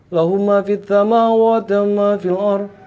lahumma fit thamawata wama fil ar